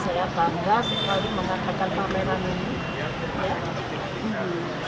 saya bangga sekali mengatakan pameran ini